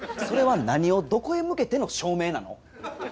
それは何をどこへ向けての証明なの？